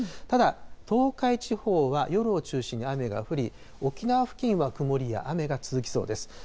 ただ、東海地方は夜を中心に雨が降り、沖縄付近は曇りや雨が続きそうです。